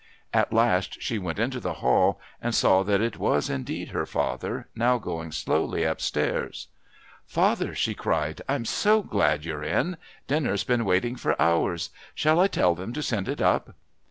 At last she went into the hall and saw that it was indeed her father now going slowly upstairs. "Father!" she cried; "I'm so glad you're in. Dinner's been waiting for hours. Shall I tell them to send it up?"